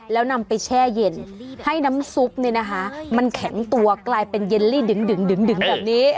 แล้วนำไปแช่เย็นให้น้ำซุปมันแข็งตัวกลายเป็นเยลลี่ดึงแบบนี้